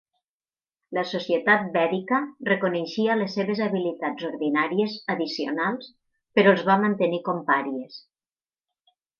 La societat vèdica reconeixia les seves habilitats ordinàries addicionals, però els va mantenir com pàries.